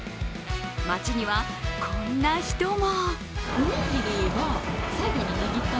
街にはこんな人も。